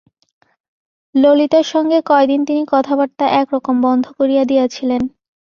ললিতার সঙ্গে কয়দিন তিনি কথাবার্তা একরকম বন্ধ করিয়া দিয়াছিলেন।